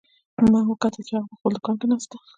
ما وکتل چې هغه په خپل دوکان کې ناست ده